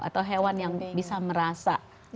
atau hewan yang bisa merasa